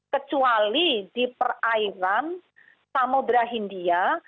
kecuali di perairan samudera hindia